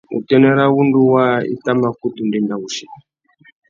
Being, utênê râ wŭndú waā i tà mà kutu ndénda wuchi.